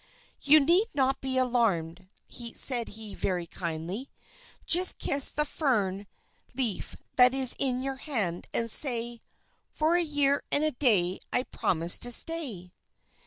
"You need not be alarmed," said he very kindly. "Just kiss the fern leaf that is in your hand, and say: '_For a year and a day I promise to stay!